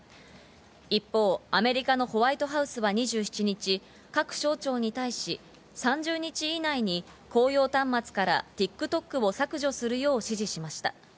一方、アメリカのホワイトハウスは２７日、各省庁に対し、３０日以内に公用端末からＴｉｋＴｏｋを削除するよう指示しました。